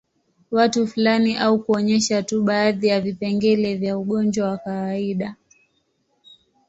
Watu fulani au kuonyesha tu baadhi ya vipengele vya ugonjwa wa kawaida